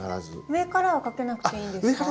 上からはかけなくていいんですか？